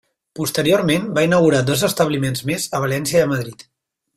Posteriorment, va inaugurar dos establiments més a València i a Madrid.